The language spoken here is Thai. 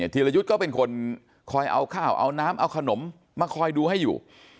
ธีรยุทธ์ก็เป็นคนคอยเอาข้าวเอาน้ำเอาขนมมาคอยดูให้อยู่